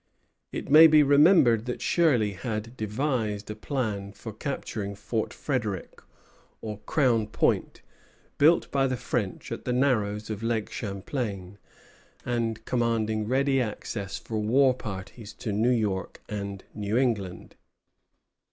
It may be remembered that Shirley had devised a plan for capturing Fort Frédéric, or Crown Point, built by the French at the narrows of Lake Champlain, and commanding ready access for warparties to New York and New England.